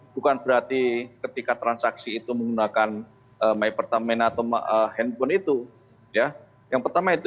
bukan berarti ketika transaksi itu menggunakan mypertamina atau handphone itu ya yang pertama itu